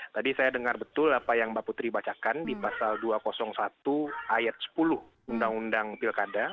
tadi saya dengar betul apa yang mbak putri bacakan di pasal dua ratus satu ayat sepuluh undang undang pilkada